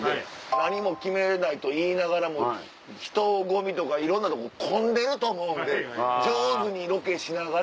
何も決めないと言いながらも人ごみとかいろんなとこ混んでると思うんで上手にロケしながら。